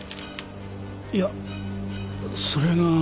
いやそれが。